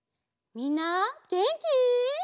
みんなげんき？